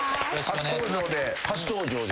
初登場で。